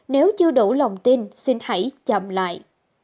nếu chưa đủ lòng tin xin hãy chậm lại